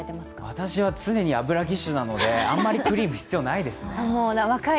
私は常に油ギッシュなので、あんまりクリーム、必要ないですね